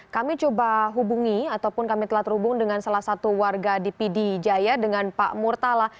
kami coba hubungi ataupun kami telah terhubung dengan salah satu warga di pidi jaya dengan pak murtala